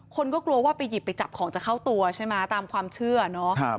คนก็กลัวว่าไปหยิบไปจับของจะเข้าตัวใช่ไหมตามความเชื่อเนาะ